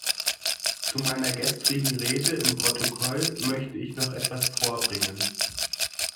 Zu meiner gestrigen Rede im Protokoll möchte ich noch etwas vorbringen.